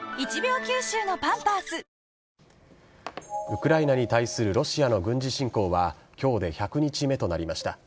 ウクライナに対するロシアの軍事侵攻は今日で１００日目となりました。